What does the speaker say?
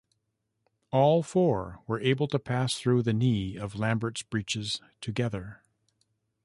All four were able to pass through the knee of Lambert's breeches together.